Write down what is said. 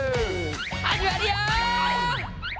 始まるよ！